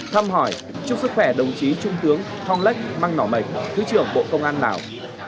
thăm hỏi chúc sức khỏe đồng chí trung tướng thong lech mang nỏ mệch thứ trưởng bộ công an lào